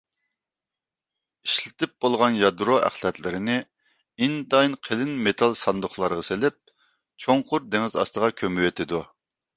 ئىشلىتىپ بولغان يادرو ئەخلەتلىرىنى ئىنتايىن قېلىن مېتال ساندۇقلارغا سېلىپ چوڭقۇر دېڭىز ئاستىغا كۆمۈۋېتىدۇ.